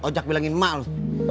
ojak bilangin emak lu